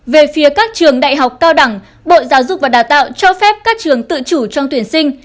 về phía các trường đại học cao đẳng bộ giáo dục và đào tạo cho phép các trường tự chủ trong tuyển sinh